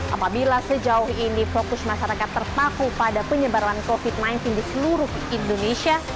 apabila sejauh ini fokus masyarakat terpaku pada penyebaran covid sembilan belas di seluruh indonesia